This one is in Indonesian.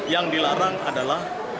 yang dilarang adalah